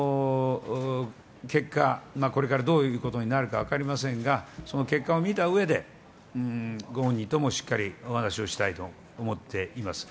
結果、これからどういうことになるか分かりませんが、その結果を見たうえで、ご本人ともしっかりお話をしたいと思っております。